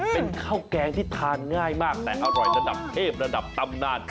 เป็นข้าวแกงที่ทานง่ายมากแต่อร่อยระดับเทพระดับตำนาน